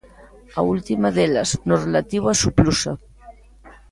A última delas, no relativo a Suplusa.